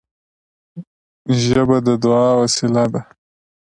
ژبه د دعا وسیله ده